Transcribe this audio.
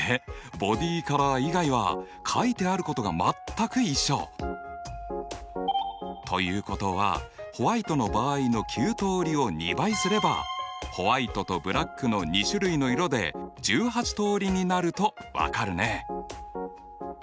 ボディカラー以外は書いてあることが全く一緒！ということはホワイトの場合の９通りを２倍すればホワイトとブラックの２種類の色で１８通りになると分かるね。